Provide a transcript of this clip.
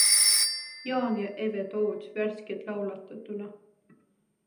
Jaan ja Eve Toots värskelt laulatatuna!